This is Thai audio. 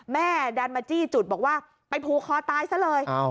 แม่ดันมาจี้จุดบอกว่าไปผูกคอตายซะเลย